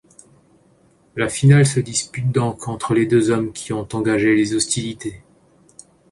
La finale se dispute donc entre les deux hommes qui ont engagé les hostilités.